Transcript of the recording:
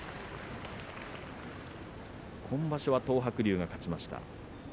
今場所は東白龍が勝ちました。